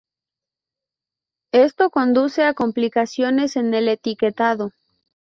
Esto conduce a complicaciones en el etiquetado.